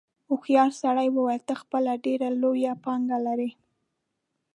هوښیار سړي وویل ته خپله ډېره لویه پانګه لرې.